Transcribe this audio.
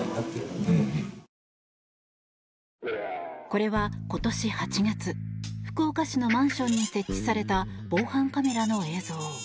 これは今年８月福岡市のマンションに設置された防犯カメラの映像。